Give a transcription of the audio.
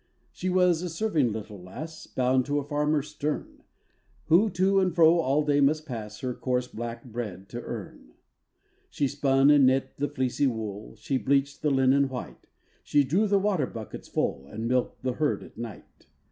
She was a serving little lass, Bound to a farmer stern, Who to and fro all day must pass Her coarse black bread to earn. She spun and knit the fleecy wool, She bleached the linen white, She drew the water buckets full, And milked the herd at night.